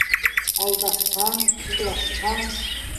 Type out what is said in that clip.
Алдашҡан, урлашҡан.